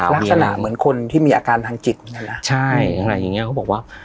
ลักษณะเหมือนคนที่มีอาการทางจิตเหมือนกันนะใช่อะไรอย่างเงี้เขาบอกว่า